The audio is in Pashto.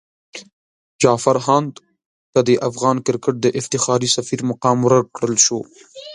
جعفر هاند ته د افغان کرکټ د افتخاري سفیر مقام ورکړل شو.